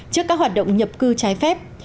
trước các hoạt động nhập cư trái phép